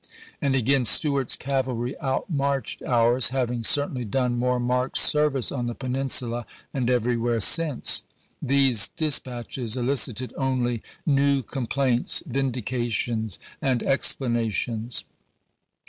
" And again :" Stuart's p 485." cavalry outmarched ours, having certainly done more marked service on the Peninsula and every where since." These dispatches elicited only new ibid.,p.49o. complaints, vindications, and explanations.